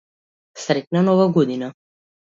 Среќна нова година.